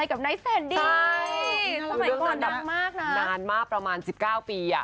คิดถึงอะไรโอ๊ย